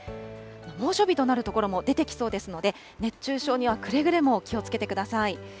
猛暑日となる所も出てきそうですので、熱中症にはくれぐれも気をつけてください。